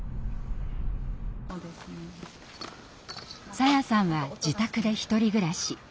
さやさんは自宅で１人暮らし。